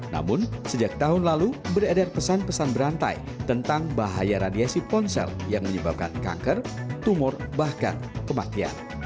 namun sejak tahun lalu beredar pesan pesan berantai tentang bahaya radiasi ponsel yang menyebabkan kanker tumor bahkan kematian